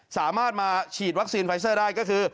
สามารถมาฉีดวัคซีนไฟเซอร์ได้ก็คือ